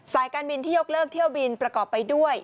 การบินที่ยกเลิกเที่ยวบินประกอบไปด้วย